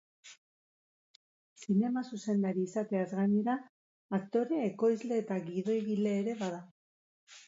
Zinema-zuzendari izateaz gainera, aktore, ekoizle eta gidoigile ere bada.